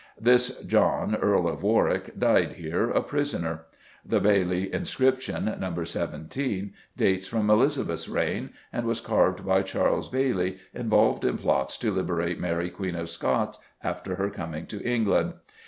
This John, Earl of Warwick, died here, a prisoner. The Bailly inscription (No. 17) dates from Elizabeth's reign, and was carved by Charles Bailly, involved in plots to liberate Mary Queen of Scots after her coming to England.